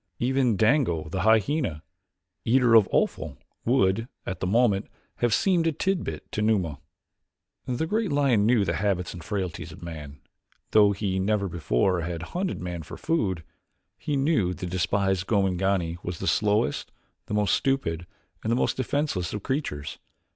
Even Dango, the hyena, eater of offal, would, at the moment, have seemed a tidbit to Numa. The great lion knew the habits and frailties of man, though he never before had hunted man for food. He knew the despised Gomangani as the slowest, the most stupid, and the most defenseless of creatures.